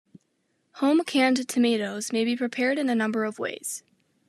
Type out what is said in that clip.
Home canned tomatoes may be prepared in a number of ways.